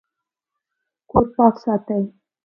کور پاک ساتئ